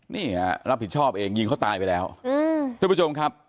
นี่ฮะรับผิดชอบเองยิงเขาตายไปแล้วอืมทุกผู้ชมครับ